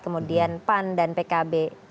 kemudian pan dan pkb